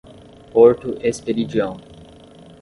Porto Esperidião